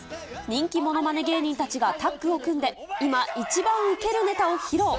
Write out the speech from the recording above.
人気ものまね芸人たちがタッグを組んで、今、一番受けるネタを披露。